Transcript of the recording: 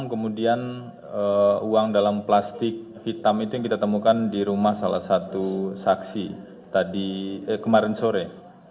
kemudian uang dalam plastik hitam itu yang kita temukan di rumah salah satu saksi kemarin sore